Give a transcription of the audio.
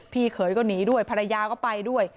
เขยก็หนีด้วยภรรยาก็ไปด้วย